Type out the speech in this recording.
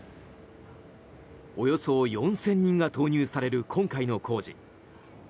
およそ４０００人が投入される今回の工事。